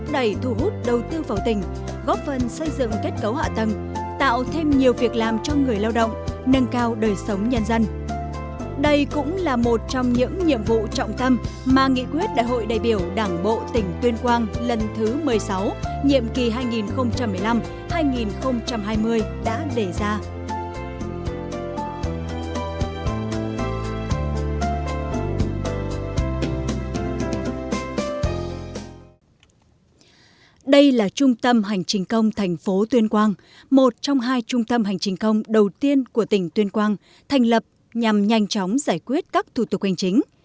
đây là trung tâm hành trình công thành phố tuyên quang một trong hai trung tâm hành trình công đầu tiên của tỉnh tuyên quang thành lập nhằm nhanh chóng giải quyết các thủ tục hành chính